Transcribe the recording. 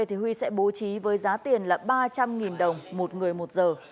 thì huy sẽ bố trí với giá tiền là ba trăm linh nghìn đồng một người một giờ